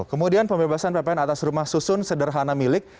kemudian pembebasan ppn atas rumah susun sederhana milik